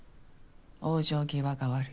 往生際が悪い。